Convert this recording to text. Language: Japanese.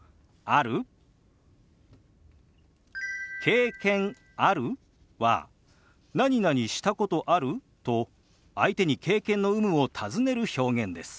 「ある？」は「なになにしたことある？」と相手に経験の有無を尋ねる表現です。